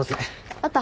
あった？